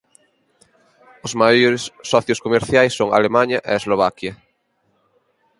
Os maiores socios comerciais son Alemaña e Eslovaquia.